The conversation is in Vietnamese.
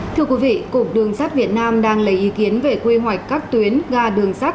thưa quý vị cục đường sắt việt nam đang lấy ý kiến về quy hoạch các tuyến ga đường sắt